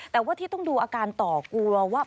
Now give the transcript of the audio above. แต่ว่าที่ต้องดูอาการต่อกลัวว่า